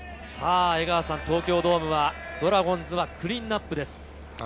東京ドームはドラゴンズはクリーンナップです。